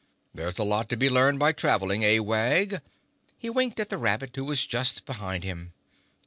"There's a lot to be learned by traveling, eh, Wag?" He winked at the rabbit, who was just behind him.